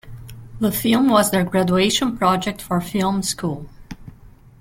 The film was their graduation project for film school.